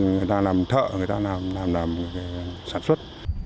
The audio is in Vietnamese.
người ta làm thợ người ta làm sản xuất